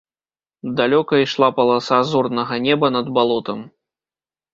Далёка ішла паласа зорнага неба над балотам.